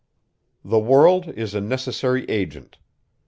The world is a necessary agent.